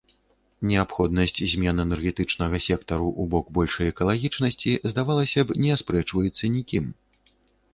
Неабходнасць змен энергетычнага сектару ў бок большай экалагічнасці, здавалася б, не аспрэчваецца ні кім.